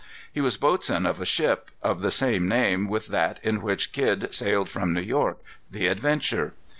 He was boatswain of a ship, of the same name with that in which Kidd sailed from New York, the Adventure.